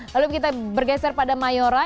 lalu kita bergeser pada mayora